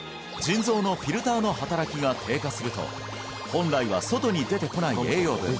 腎臓のフィルターの働きが低下すると本来は外に出てこない栄養分